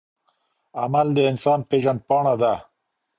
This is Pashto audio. عمل د انسان پیژندپاڼه ده.